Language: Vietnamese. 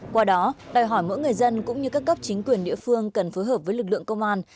qua đó đòi hỏi mỗi người dân cũng như các cấp chính quyền địa phương cần phối hợp với lực lượng công an